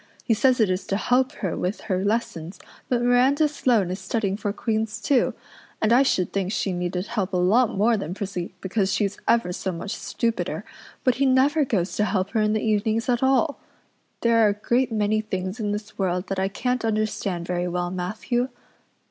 He says it is to help her with her lessons but Miranda Sloane is studying for Queen's too, and I should think she needed help a lot more than Prissy because she's ever so much stupider, but he never goes to help her in the evenings at all. There are a great many things in this world that I can't understand very well, Matthew."